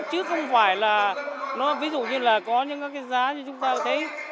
chứ không phải là ví dụ như là có những cái giá như chúng ta thấy